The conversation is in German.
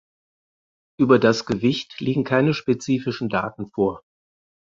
Über das Gewicht liegen keine spezifischen Daten vor.